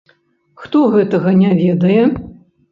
Хто гэтага не ведае?